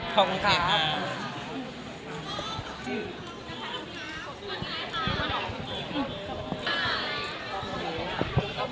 ขอบคุณครับ